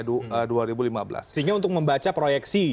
sehingga untuk membaca proyeksi